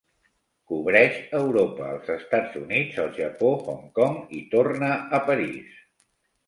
Cobreix Europa, els Estats Units, el Japó, Hong Kong i torna a París.